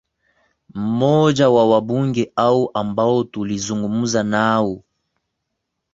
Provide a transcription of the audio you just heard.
mmoja wa wabunge hao ambao tulizungumza nao